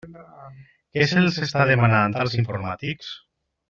Què se'ls està demanant als informàtics?